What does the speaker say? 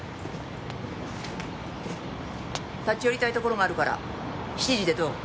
立ち寄りたい所があるから７時でどう？